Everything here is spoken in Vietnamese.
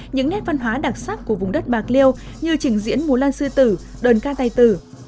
những nét văn hóa đặc sắc của vùng đất bạc liêu như trình diễn mùa lan sư tử đồn ca tay tử